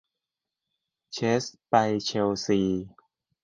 เชสไปเชลซี